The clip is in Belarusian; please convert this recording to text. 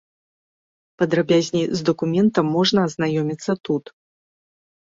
Падрабязней з дакументам можна азнаёміцца тут.